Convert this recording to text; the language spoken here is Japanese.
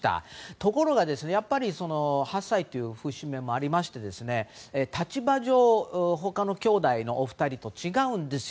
ところが、やっぱり８歳という節目もありまして立場上、他のきょうだいのお二人と違うんです。